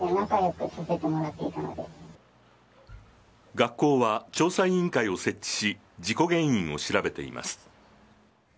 学校は調査委員会を設置し事故原因を調べています。